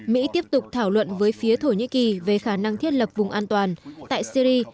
mỹ tiếp tục thảo luận với phía thổ nhĩ kỳ về khả năng thiết lập vùng an toàn tại syri